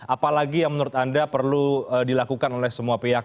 apalagi yang menurut anda perlu dilakukan oleh semua pihak